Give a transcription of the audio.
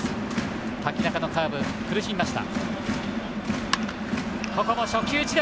瀧中のカーブ苦しみました。